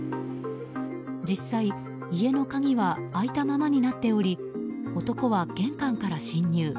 実際、家の鍵は開いたままになっており男は玄関から侵入。